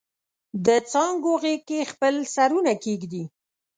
دڅانګو غیږ کې خپل سرونه کښیږدي